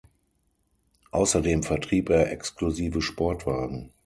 Außerdem vertrieb er exklusive Sportwagen.